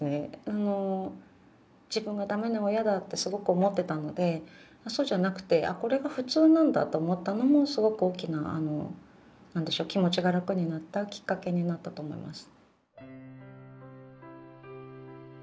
あの自分がダメな親だってすごく思ってたのでそうじゃなくてこれが普通なんだと思ったのもすごく大きなあの何でしょう気持ちが楽になったきっかけになったと思います。